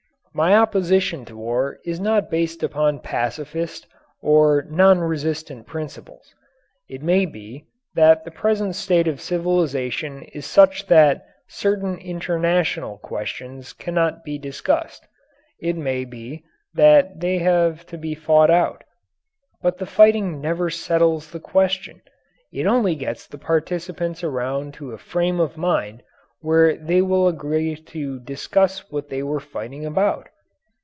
My opposition to war is not based upon pacifist or non resistant principles. It may be that the present state of civilization is such that certain international questions cannot be discussed; it may be that they have to be fought out. But the fighting never settles the question. It only gets the participants around to a frame of mind where they will agree to discuss what they were fighting about.